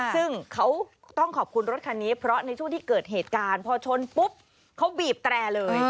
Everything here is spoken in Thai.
ซึ่งเขาต้องขอบคุณรถคันนี้เพราะในช่วงที่เกิดเหตุการณ์พอชนปุ๊บเขาบีบแตรเลย